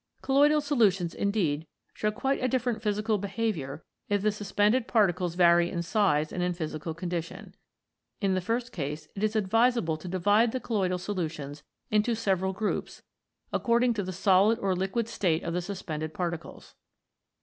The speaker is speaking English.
Colloidal solutions, indeed, show quite a different physical behaviour if the suspended particles vary in size and in physical condition. In the first case it is advisable to divide the colloidal solutions into several groups according to the solid or liquid state of the suspended particles.